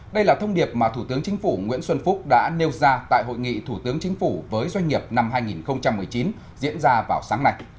đây là thông điệp mà thủ tướng chính phủ nguyễn xuân phúc đã nêu ra tại hội nghị thủ tướng chính phủ với doanh nghiệp năm hai nghìn một mươi chín diễn ra vào sáng nay